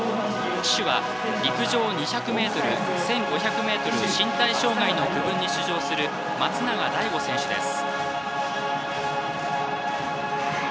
旗手は陸上２００ｍ、１５００ｍ身体障害の区分に出場する松永大護選手です。